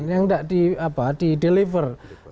yang tidak di deliver